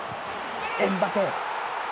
エムバペ。